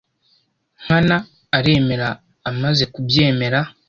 Nkana aremera amaze kubyemera